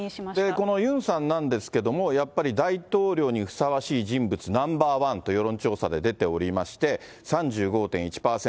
このユンさんなんですけども、やっぱり大統領にふさわしい人物ナンバー１と世論調査で出ておりまして、３５．１％。